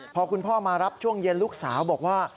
พอคุณพ่อมารับช่วงเย็นลูกสาวบอกว่า